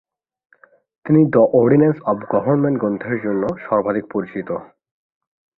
তিনি "The Ordinance of Government" গ্রন্থের জন্য সর্বাধিক পরিচিত।